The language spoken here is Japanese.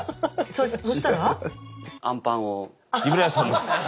そしたら？